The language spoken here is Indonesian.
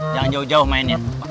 jangan jauh jauh mainin